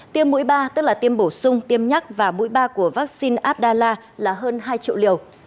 tiêm mũi ba tức là tiêm bổ sung tiêm nhắc và mũi ba của vaccine abdallah là hơn hai triệu liều